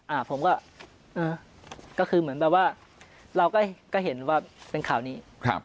อ่าผมก็เออก็คือเหมือนแบบว่าเราก็เห็นว่าเป็นข่าวนี้ครับ